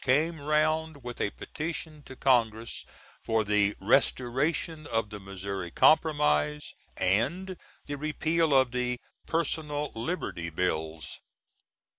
came round with a petition to Congress for "the restoration of the Mis. Comp." & the repeal of the "Personal Liberty Bills."